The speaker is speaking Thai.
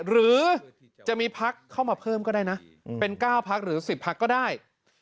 หรือจะมีพักเข้ามาเพิ่มก็ได้นะเป็น๙พักหรือ๑๐พักก็ได้